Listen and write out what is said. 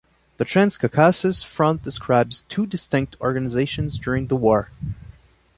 The Transcaucasus Front describes two distinct organizations during the war.